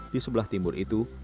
di sebelah timur itu